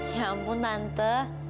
ya ampun tante